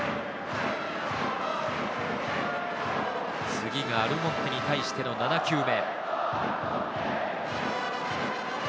次がアルモンテに対しての７球目。